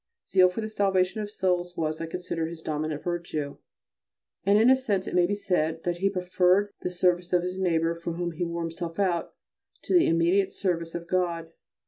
Zeal for the salvation of souls was, I consider, his dominant virtue, and in a sense it may be said that he preferred the service of his neighbour, for whom he wore himself out, to the immediate service of God.